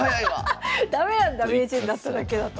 駄目なんだ名人になっただけだと。